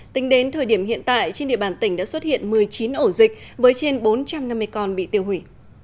tính đến thời điểm hiện tại trên địa bàn tỉnh đã xuất hiện một mươi chín ổ dịch với trên bốn trăm năm mươi con bị tiêu hủy